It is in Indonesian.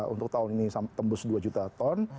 untuk tahun ini tembus dua juta ton